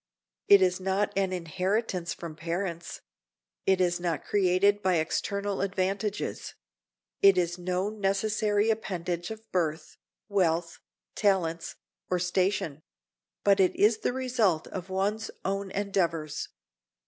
It is not an inheritance from parents; it is not created by external advantages; it is no necessary appendage of birth, wealth, talents, or station; but it is the result of one's own endeavors.